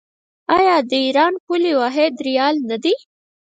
آیا د ایران پولي واحد ریال نه دی؟